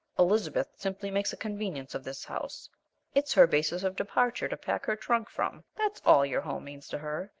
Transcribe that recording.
Elizabeth simply makes a convenience of this house. It's her basis of departure to pack her trunk from, that's all your home means to her.